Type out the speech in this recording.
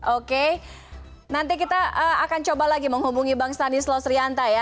oke nanti kita akan coba lagi menghubungi bang stanis slosrianta ya